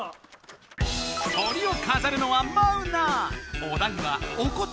トリをかざるのはマウナ！